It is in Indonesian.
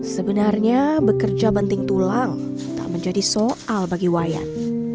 sebenarnya bekerja benting tulang tak menjadi soal bagi wayan